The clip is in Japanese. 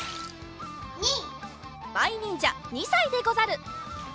まいにんじゃ２さいでござる。